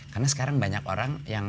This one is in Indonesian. karena sekarang banyak orang yang